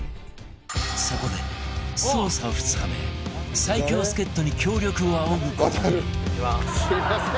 そこで捜査２日目最強助っ人に協力を仰ぐ事にすみません。